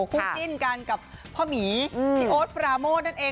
คู่จิ้นกันกับพ่อหมีพี่โอ๊ตปราโมทนั่นเอง